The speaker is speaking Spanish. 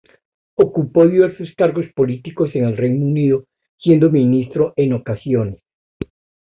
Ocupó diversos cargos políticos en el Reino Unido, siendo ministro en ocasiones.